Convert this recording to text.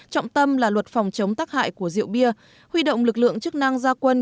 trọng tâm là luật phòng chống tắc hại của rượu bia huy động lực lượng chức năng gia quân